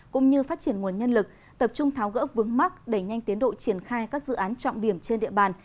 cũng như phát triển nguồn nhân lực tập trung tháo gỡ vướng mắt đẩy nhanh tiến độ triển khai các dự án trọng điểm trên địa bàn